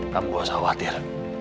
kamu jangan khawatir